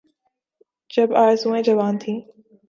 جب آرزوئیں جوان تھیں۔